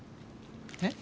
えっ？